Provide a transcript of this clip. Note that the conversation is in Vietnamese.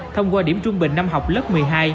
thông qua điểm trung bình năm học lớp một mươi hai